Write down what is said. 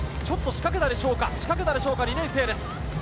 ちょっとしかけたでしょうか、しかけたでしょうか、２年生です。